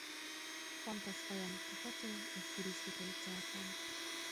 Fontos folyami kikötő és turisztikai célpont.